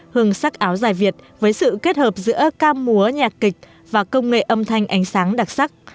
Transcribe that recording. hương sắc áo dài việt với sự kết hợp giữa ca múa nhạc kịch và công nghệ âm thanh ánh sáng đặc sắc